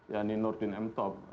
yani nurdin m top